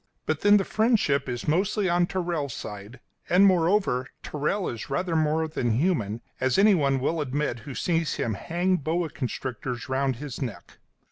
But, then, the friendship is mostly on Tyrrell's side, and, moreover, Tyrrell is rather more than human, as anyone will admit who sees him hang boa constrictors round his neck.